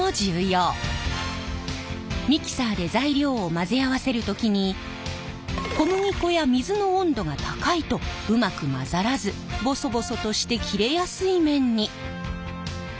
ミキサーで材料を混ぜ合わせる時に小麦粉や水の温度が高いとうまく混ざらずボソボソとして切れやすい麺に。